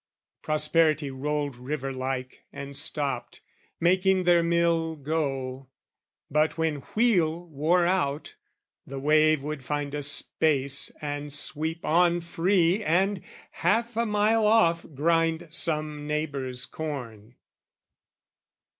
Prosperity rolled river like and stopped, Making their mill go; but when wheel wore out, The wave would find a space and sweep on free And, half a mile off, grind some neighbour's corn.